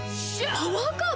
パワーカーブ⁉